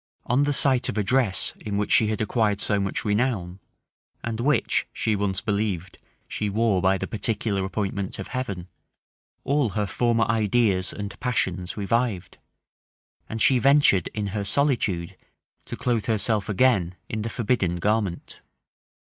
On the sight of a dress in which she had acquired so much renown, and which, she once believed, she wore by the particular appointment of Heaven, all her former ideas and passions revived; and she ventured in her solitude to clothe herself again in the forbidden garment.